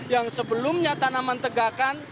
yang sebelumnya tanaman tegakan